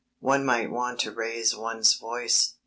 One might want to raise one's voice.